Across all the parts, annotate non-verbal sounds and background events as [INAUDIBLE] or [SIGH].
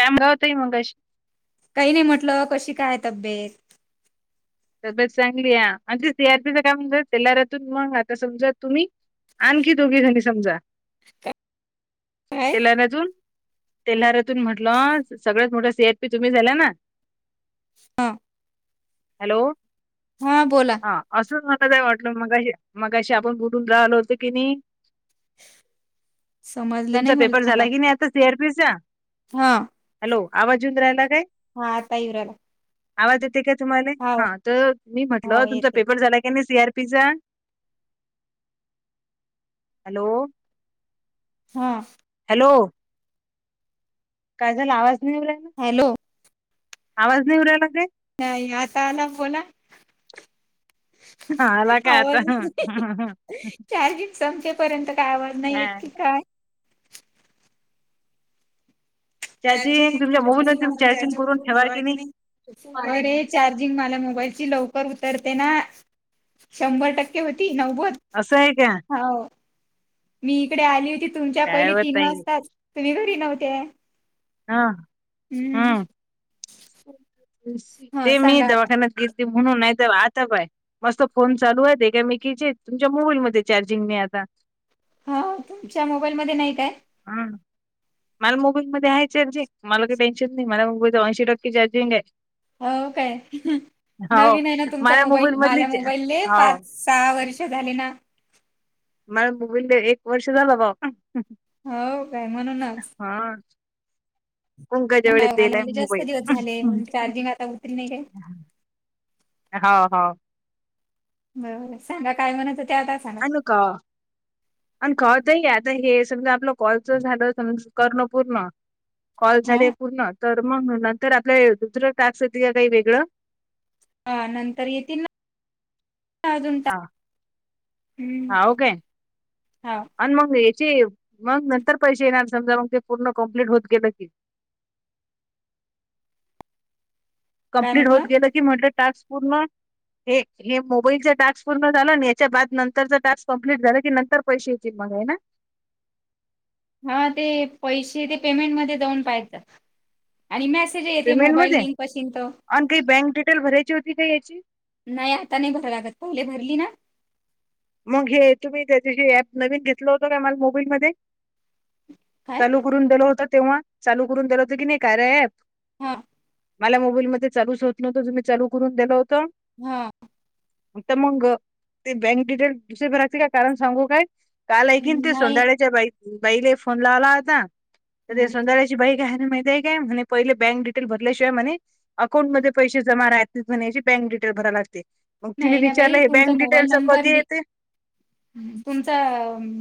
टामग होतय मगाशी. काही नाही म्हटलं कशी काय तब्येत. तबत चांगली आहे [UNINTELLIGIBLE] म्हजे सियारतीच काम म्हणज सलरातून मग आता समजा तुम्ही आणखी दोघी झाली समजा काय. तेल्हरातून तेल्हरतून म्हटलं सगळ्यात मोठ सीएर पी तुम्ही झाला ना हां. हॅलो. हा बोला. हा असं मला काय वाटलं मगा मगशी आपण बुोलून राहिल होतं की नाही. समजलं तुमचा नाही मला पेपर थांबा झाला की नाही आता सी आरपीचा हा हॅलो आवाजऊून राहिला काय. हा आता इव्रल रायला. आवाज येते का तुम्हाला हा तर मी म्हटलं हाव तुमचा येते पेपर झाला का नाही सी आरपीचा. हॅलो. हां. हॅलो. काय झाला आवाज नाही आला. हॅलो. आवाज नाही येऊ राहिला काय नाही आता आला बोला. हा आला का आवाज चा आता [UNINTELLIGIBLE] संपेपर्यंत काय आवज नाही हा येत की काय. [INAUDIBLE] चार्जिंग तुमच्या मोबाईल तुम्ही चार्जिंग करून ठेवा की नाही. मला मोबाईलची लव पण उतरते ना शंभर टक्के होती नव्वद असं हो आहे का मी इकडे आली होती तुमच्या काय पहिली व तीन ताई वाजताच तुम्ही घरी नव्हते्या. हा. हम्म! हा ते मी सांगा आता दवाखान्यात घेतली म्हणून नाही तर आता बाय मस्त फोन चालू आहेत एकामेकीचे तुमच्या मोबाईलमध्ये चार्जिंग नाही आता. हा तुमच्या मोबाईलमध्ये नाही काय. हा! मला मोबाईल मध्ये आहे चार्जिंग मला काही टेन्शन नाही मला मोबाईल ऐंशी टक्के चार्जिंग आहे. हो काय. हो नवीन आहे ना तुमचा माझ्या मोबाईल मला मधलीच मोबाईल हो पाच सहा वर्ष झाले ना. माझ्या मोबाईलला एक वर्ष झाला बघा हो काय म्हणूनच. पंकजा वेळेत दिलाय म्हणजे जास्त मोबाईल. दिवस झाले म्हणून चार्जिंग आता उतरी नाही काय. हो हो. बरोबर सांगा काय म्हणातं ते आता सांग. क आणि कळतय आता हे समजा आपलं कॉलच झालं समज करलो पूर्ण कॉल हा झाले पूर्ण. तर मग नंतर आपल्या दुसरं टास्क येत का काही वेगळं? हा नंतर येतील ना अजून टा हा हम्म! हा ओके हा. आणि मग याचे मग नंतर पैसे येणार समजा मग ते पूर्ण कम्प्लीट होत गेलं की? काय कम्प्लीट होत म्हटलं? गेलं की म्हटलं टास्क पूर्ण हे मोबाईलचा टास्क पूर्ण झाला याच्या बाद नंतरच टास्क कंप्लीट झालं की नंतर पैसे येतील मग हाय ना? हा ते पैसे ते पेमेंट मध्ये जाऊन पहायच. आणि मेसेज येते पेमेंट मोबाईल मध्ये लिंक असेल तर. आणि काही बँक डिटेल भरायची होती का याची? नाही आता नाही भराय लागत पहिले भरली ना? मग हे तुम्ही त्याच्याशी ऍप नवीन घेतला होत का मला मोबाईल मध्ये काय चालू करून करून दिल होत तेव्हा चालू करून दिल होत की नाही कार्या अँप हा. मला मोबाईल मध्ये चालूच होत नव्हतं तुम्ही चालू करून दिलं होतं. हा. हित मग ते बँक डिटेल दुसरे भरायचे काय कारण सांगू काय काल एका ते नाही सोधाळ्याच्या बा बाईला फोन लावला होता. तर ते हम्म सोधाळ्या बाई काय म्हणाली माहितीय काय पहिले बँक डटेल भरल्याशिवाय म्हणे अकाउंटमध्ये पैसे जमा राहतील जमा राहत नाय बँक डिटेल भरावी लागते. मग तिने नाही ना विचारलं बाई हे तुमचा बँक मोबाईल डिटेलच नंबर कधी लि येते तुमचा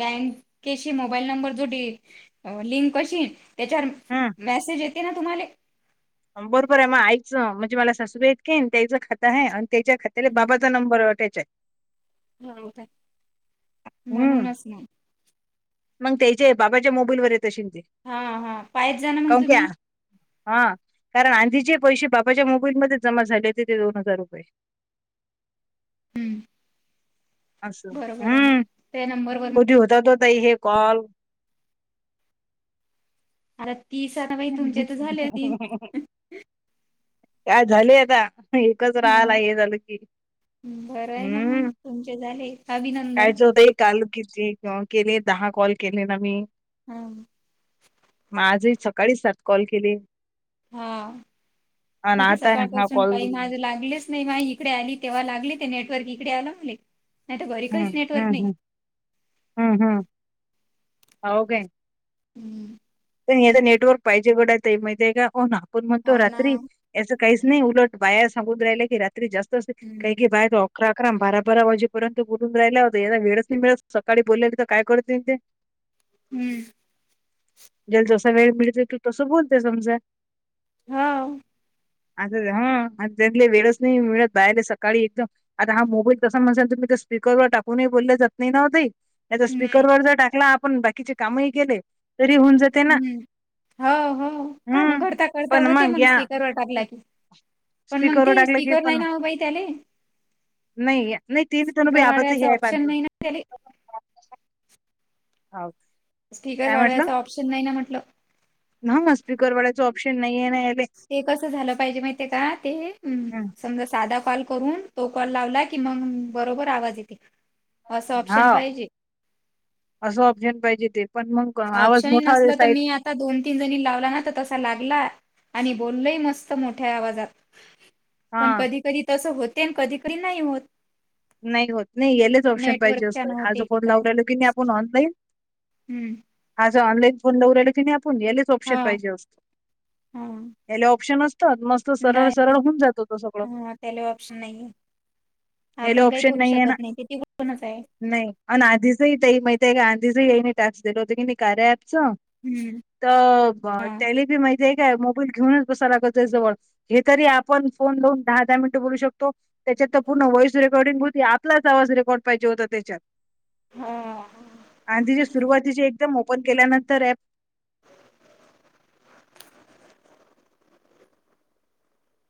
बँकेशी मोबाईल नंबर जोडे लिंक कशी त्याच्यावर हम् मेसेज येते ना तुम्हाला? बरोबर आहे माया आईचं म्हणजे मला सासूबाइतके त्याईचं खातं आहे आणि त्याच्या खात्याले बाबा नंबर वाटायचं. हो हम्म म्हणूनच ना. मग त्याचे बाबाच्या मोबाईल मध्ये येतशीन ते हा हा पायच जा ना मग तुम्ही हा कारण आधीचे पैसे बापाच्या मोबाईलमध्ये जमा झाले होते ते दोन हजार रुपये. हम्म! असं बरोबर आहे मग हम्म त्या नंबरवर कधी होतायत ओ ताई हे कॉल? आता तीस ना बा तुमच्या तर झाले तीस. काय झाले आता. एकच ह राहाला हे झालं की बरं आहे ना मग हम्म तुमचे झाले कायच अभिनंदन! होत काल किती केले दहा कॉल केले ना मी. हां. मगं आजही सकाळीच सात कॉल केले. हा आणि मी तर आता हा सकाळपासून कॉल काही माझ लागलेच नाही माझ्या इकडे आली तेव्हा लागले ते नेटवर्क इकडे आले मले नाही तरं घरी हम्म काहीच नेटवर्क हम्म नाही. हम्म हम्म! हम्म! हो काय. हम्! पण याच नेटवर्क पाहिजे घड्या त माहितीय आहे का ना आपण म्हणतो हाव ना. रात्री. सं काहीच नाही उलट बायार सगुद राहिले की रात्री जास्त हम्म काही की बाहेर अकरा अकराम बारा बारा वाजेपर्यंत बोलून राहिला होतं यादा वेळच नाही मिळत सकाळी बोललेली तर काय करत ते हम्म ज्याला जसा वेळ मिळते तू तसं बोलते समजा हा आता हा त्यांले वेळच नाही मिळत बाहेर सकाळी एकदम आता हा मोबाईल तसाल म्हणसेल तुम्ही ते स्ीकरवर टाकून बोलले जात नाही न्हत त्याचा नाही स्पीकरवरर जर टाकला आपण बाकीचे कामही केले तरी होऊन जाते ना हम्म हो हो काम हम्म करता करता पण होते मग या स्पीकरवर टाकला की पण मग स्पीकरवर ते टाकलं की स्ीकर नाही पण ना बाई त्याले नाही नाही ती मी तोन बी आबाच हे पांढर चली ह स्पीकर वाढवायचा ऑप्शन नाही ना म्हटलं ह ना स्पीकर वाडायचं ऑप्शन नाही आहे ना ते कस झालं पाहिजे माहििते का ते् समजा साधा कॉल करून तो कॉल लावला की मग बरोबर आवाज येते असं हा ऑप्शन पाहिजे. असं ऑप्शन पाहिजे ते पण मग आवाज ऑप्शनही मोठा नसलं तर साईड मी आता दोन तीन जणी लावला ना तर तसा लागला आणि बोललही मस्त मोठ्या आवाजात हा पण कधी कधी तसं होते आणि कधी कधी नाही होत नाही होत नाही यालेच ऑप्शन पाहिजे नेटवर्कच्या असतं न आज होते की फोन काय लाव राहिलो की नाही आपण ऑनलाईन हम्म हा ज ऑनलाईन फोन दवला कि नाही आपण यालेच ऑप्शन हा पाहिजे असतो हा याले ऑप्शन असतात मस्त सरळ नाही सरळ होऊन जातो तो सगळं हा त्याले ऑप्शन नाही आहे याला आपण काही ऑप्शन करू नाहीये ना शकत नाही ते त कोणच आहे नाही आणि आधी सई त्या माह का आधी स याई टॅक्स दिलो होो की कारे आपसो हम्म तर हा त्याला बी माहिती आहे काय मोबाईल घेऊनच बसायलाग त्या जवळ हे तरी आपण फोन लाऊन दहा दहा मिनटं बोलू शकतो त्याच्यात तर पूर्ण वॉईस रेकॉर्डिंग होती आपला आवाज रेकॉर्ड पाहिजे होता त्याच्यात हा आणि ति सुरवातीचे एकदम ओपन केल्यानंतर प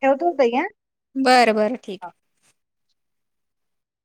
ठेवत होत आहे का बरं बरं ठीक आहे